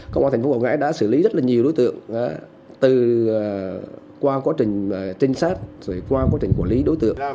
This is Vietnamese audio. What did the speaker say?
công an tp hcm đã xử lý rất nhiều đối tượng qua quá trình trinh sát qua quá trình quản lý đối tượng